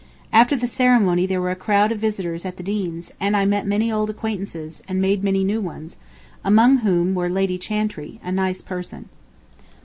After the ceremony there were a crowd of visitors at the Dean's, and I met many old acquaintances, and made many new ones, among whom were Lady Chantrey, a nice person.